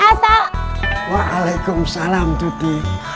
assalamualaikum salam tuti